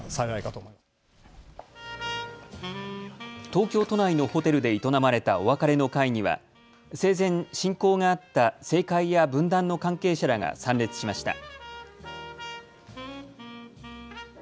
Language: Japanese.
東京都内のホテルで営まれたお別れの会には生前親交があった政界や文壇の関係者らが参列しました。